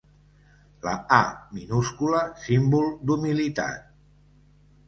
La ‘à’, minúscula, símbol d’humilitat.